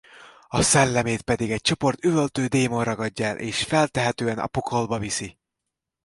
A szellemét pedig egy csoport üvöltő démon ragadja el és feltehetően a Pokolba viszi.